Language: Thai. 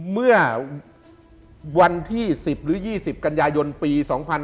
เมื่อวันที่๑๐หรือ๒๐กันยายนปี๒๕๕๙